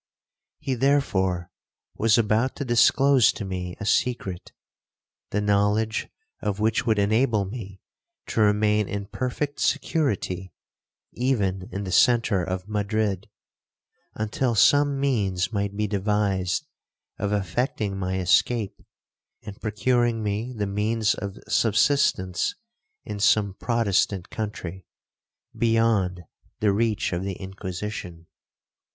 He therefore was about to disclose to me a secret, the knowledge of which would enable me to remain in perfect security even in the centre of Madrid, until some means might be devised of effecting my escape, and procuring me the means of subsistence in some Protestant country, beyond the reach of the Inquisition.